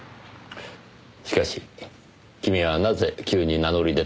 しかし君はなぜ急に名乗り出たのでしょう？